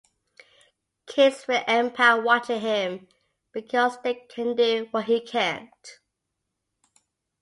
Kids feel empowered watching him because they can do what he can't.